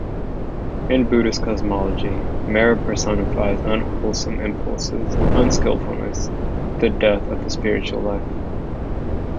In Buddhist cosmology, Mara personifies unwholesome impulses, unskillfulness, the "death" of the spiritual life.